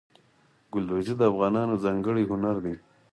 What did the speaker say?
ګلدوزي د افغانانو ځانګړی هنر دی.